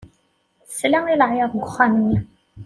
Tesla i leɛyaḍ deg uxxam-nni.